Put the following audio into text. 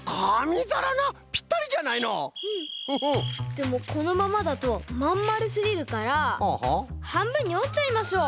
でもこのままだとまんまるすぎるからはんぶんにおっちゃいましょう。